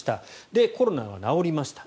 で、コロナは治りました。